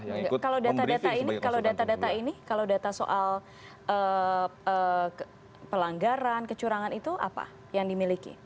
kalau data data ini kalau data soal pelanggaran kecurangan itu apa yang dimiliki